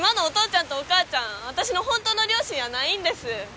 ちゃんとお母ちゃん私の本当の両親やないんです。